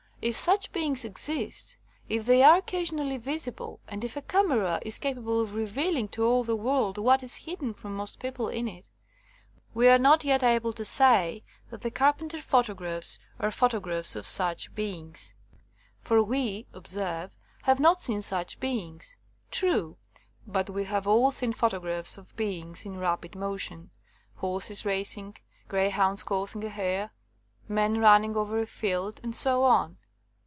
If such beings exist, if they are occasionally visible, and if a camera is capable of revealing to all the world what is hidden from most people in it, we are not yet able to say that the Carpenter photo graphs are photograj^hs of such beings. For we, observe, have not seen such beings. True: but we have all seen photographs of beings in rapid motion — horses racing, greyhounds coursing a hare, men running over a field, and so on.